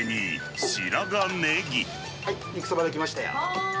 はい、肉そば出来ましたよ。